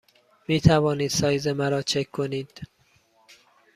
می توانید سایز مرا چک کنید؟